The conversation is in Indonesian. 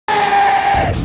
kakang benar benar kecil